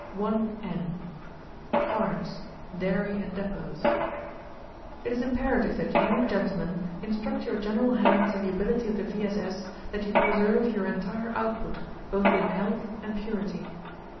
IN. Farms — Daii'y and Depots. It is imperative that you, gentlemen, instruct your general hands in the ability of the V. S. S. that you preserve your entire output, both in health and purity.